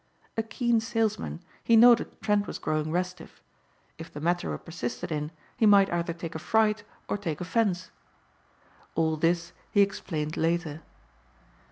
A keen salesman, he noted Trent was growing restive. If the matter were persisted in he might either take a fright or take offence. All this he explained later.